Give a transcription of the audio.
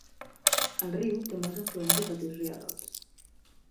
El riu té molts afluents i petits rierols.